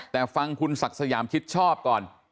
แต่ฟังคุณศักดิ์สยามชิดชอบก่อน